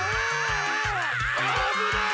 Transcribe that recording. あぶない！